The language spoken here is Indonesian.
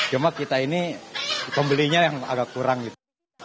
cuma kita ini pembelinya yang agak kurang gitu